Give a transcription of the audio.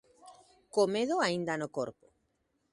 Co medo aínda no corpo.